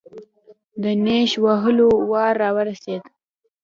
د نېش وهلو وار راورسېد.